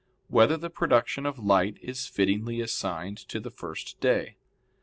4] Whether the Production of Light Is Fittingly Assigned to the First Day?